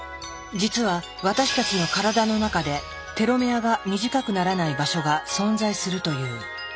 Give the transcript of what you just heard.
実は私たちの体の中でテロメアが短くならない場所が存在するという。